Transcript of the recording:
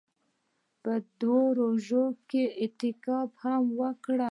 په دوو روژو کښې يې اعتکاف هم وکړ.